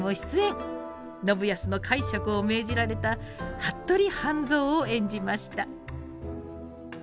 信康の介錯を命じられた服部半蔵を演じました。